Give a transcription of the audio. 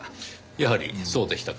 やはりそうでしたか。